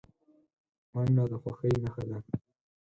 منډه د خوښۍ نښه ده